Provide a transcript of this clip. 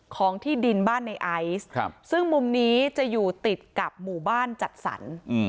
ของที่ดินบ้านในไอซ์ซึ่งมุมนี้จะอยู่ติดกับหมู่บ้านจัดสรร